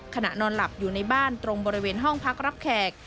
ขณะนอนหลับอยู่ในบ้านตรงบริเวณห้องพักรับแขก